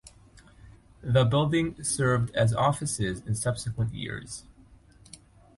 The building served as offices in subsequent years.